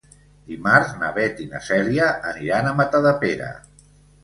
Dimarts na Beth i na Cèlia aniran a Matadepera.